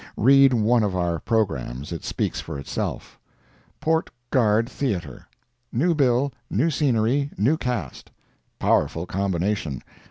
Read one of our programmes—it speaks for itself: PORT GUARD THEATRE. New Bill, New Scenery, New Cast. Powerful Combination.